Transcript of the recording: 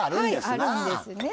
あるんですね。